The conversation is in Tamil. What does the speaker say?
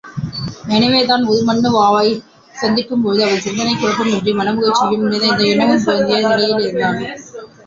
எனவே தான் உருமண்ணுவாவைச் சந்திக்கும்போது அவன் சிந்தனைக் குழப்பமின்றி மனமகிழ்ச்சியும் நிறைந்த எண்ணமும் பொருந்திய நிலையிலிருந்தான்.